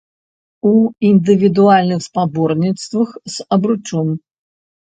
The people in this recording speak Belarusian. У індывідуальных спаборніцтвах з абручом.